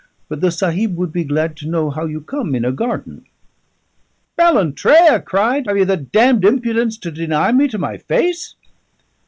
But the Sahib would be glad to know how you come in a garden?" "Ballantrae!" I cried, "have you the damned impudence to deny me to my face?"